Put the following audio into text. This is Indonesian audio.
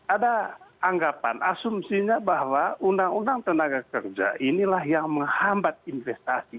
ada anggapan asumsinya bahwa undang undang tenaga kerja inilah yang menghambat investasi